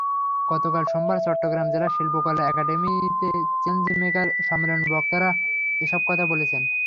গতকাল সোমবার চট্টগ্রাম জেলা শিল্পকলা একাডেমিতে চেঞ্জমেকার সম্মেলনে বক্তারা এসব কথা বলেছেন।